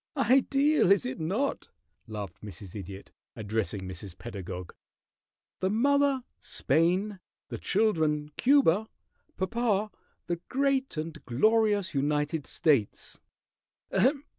"Ideal is it not?" laughed Mrs. Idiot, addressing Mrs. Pedagog. "The mother, Spain. The children, Cuba. Papa, the great and glorious United States!"